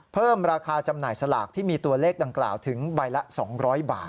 เพิ่มราคาจำหน่ายสลากที่มีตัวเลขดังกล่าวถึงใบละ๒๐๐บาท